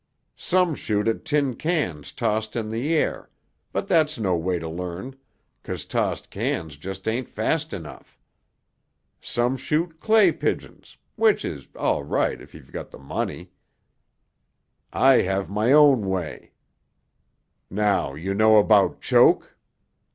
Some shoot at tin cans tossed in the air, but that's no way to learn 'cause tossed cans just ain't fast enough. Some shoot clay pigeons, which is all right if you got the money. I have my own way. Now you know about choke?"